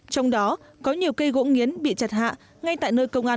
trong đó có nhiều cây gỗ nghiến bị chặt hạ ngay tại nơi công an